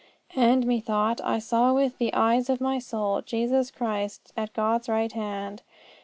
And, methought, I saw with the eyes of my soul Jesus Christ at God's right hand.